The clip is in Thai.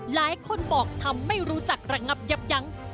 หลายคนบอกทำไม่รู้จักระงับยับยั้ง